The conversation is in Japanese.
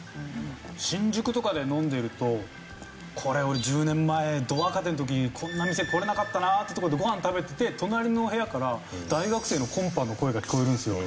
新宿とかで飲んでるとこれ俺１０年前ド若手の時こんな店来れなかったなってとこでご飯食べてて隣の部屋から大学生のコンパの声が聞こえるんですよ。